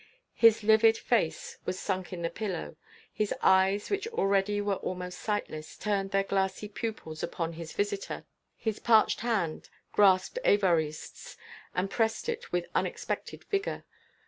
His livid face was sunk in the pillow. His eyes, which already were almost sightless, turned their glassy pupils upon his visitor; his parched hand grasped Évariste's and pressed it with unexpected vigour.